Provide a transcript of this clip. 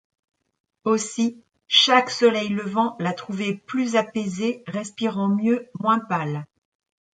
Aussi chaque soleil levant la trouvait plus apaisée, respirant mieux, moins pâle.